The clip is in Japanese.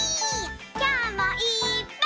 きょうもいっぱい。